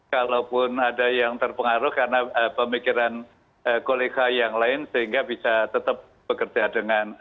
kalaupun ada yang terpengaruh karena pemikiran kolega yang lain sehingga bisa tetap bekerja dengan